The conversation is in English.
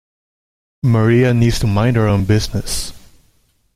Maria needs to mind her own business.